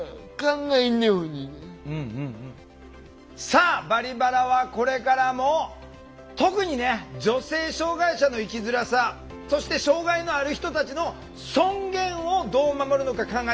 さあ「バリバラ」はこれからも特にね女性障害者の生きづらさそして障害のある人たちの尊厳をどう守るのか考えていきます。